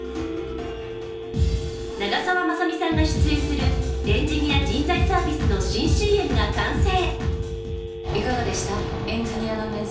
長澤まさみさんが出演するエンジニア人材サービスの新ＣＭが完成。